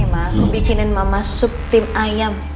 ini mbak aku bikinin mama sup tim ayam